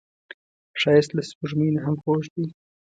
ښایست له سپوږمۍ نه هم خوږ دی